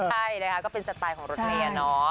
ใช่นะคะก็เป็นสไตล์ของรถเมย์เนาะ